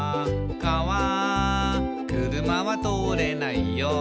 「かわ車は通れないよ」